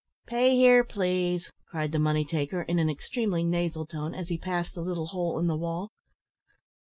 "Pay here, please," cried the money taker, in an extremely nasal tone, as he passed the little hole in the wall.